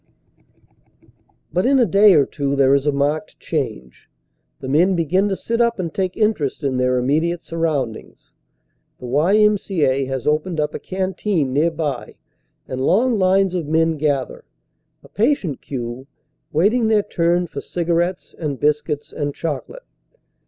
But in a day or two there is a marked change. The men begin to sit up and take interest in their immediate surround ings. The Y.M.C.A. has opened up a canteen nearby and long lines of men gather, a patient queue, waiting their turn for cigarettes and biscuits and chocolate.